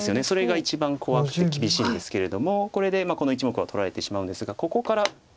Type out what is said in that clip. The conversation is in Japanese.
それが一番怖くて厳しいんですけれどもこれでこの１目は取られてしまうんですがここから。